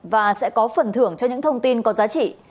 và sẽ có phần thưởng cho những thông tin có giá trị